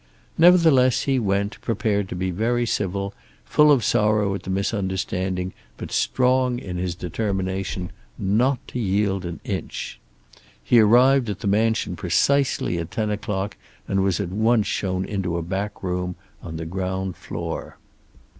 Nevertheless he went, prepared to be very civil, full of sorrow at the misunderstanding, but strong in his determination not to yield an inch. He arrived at the mansion precisely at ten o'clock and was at once shown into a back room on the ground floor.